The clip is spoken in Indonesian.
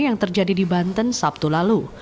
yang terjadi di banten sabtu lalu